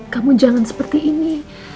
kamu jangan seperti ini